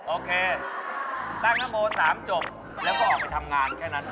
โอเคตั้งนโม๓จบแล้วก็ออกไปทำงานแค่นั้น